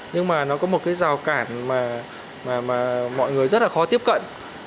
nhưng mà nó có một cái rào cản mà mọi người rất là khó tiếp cận